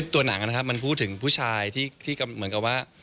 ตัวหนังนะครับมันพูดถึงผู้ชายที่เหมือนกับว่า